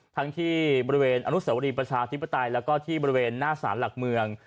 ทั่งที่บริเวณอนุสรีประชาทิพธิและที่ณหน้าสารหลักเมือง